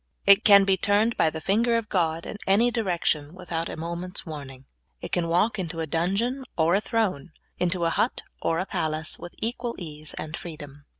It can be turned by the finger of God in anj^ direction without a moment's warning. It can walk into a dun geon or a throne, into a hut or a palace, with equal ease and freedom.